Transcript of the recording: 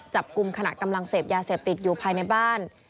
จับกลุ่มขณะกำลังเสพยาเสพติดอยู่ภายในบ้าน